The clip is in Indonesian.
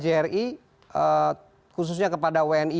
jadi khususnya kepada wni